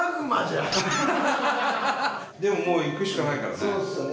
でももう行くしかないからね。